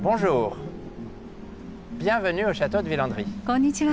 こんにちは。